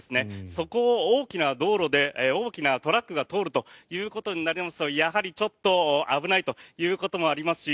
そこを大きなトラックが通るということになりますとやはりちょっと危ないということもありますし